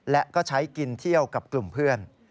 และก็ใช้กินเที่ยวกับกลุ่มเพื่อน